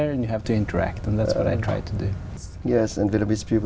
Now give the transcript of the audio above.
rằng điều này là một điều rất thông thật về liên hệ giữa việt nam và trung quốc